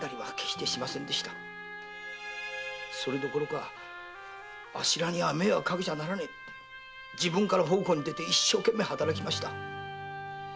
それどころかあっしらには迷惑かけちゃならねえって自分から奉公に出て一生懸命働きました。